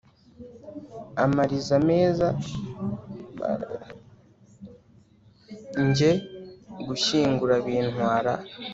Njye gushyingura bintwara